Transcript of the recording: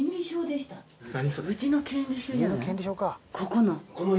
ここの。